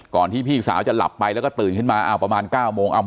ที่พี่สาวจะหลับไปแล้วก็ตื่นขึ้นมาอ้าวประมาณ๙โมง